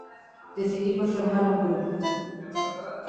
Decidimos formar un grupo.